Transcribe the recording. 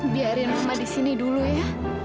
biarkan mama di sini dulu ya